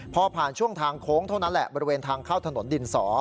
พอผ่านช่วงทางโค้งเท่านั้นแหละบริเวณทางเข้าถนนดินสอ